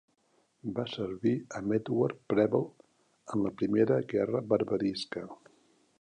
Va servir amb Edward Preble en la primera guerra berberisca.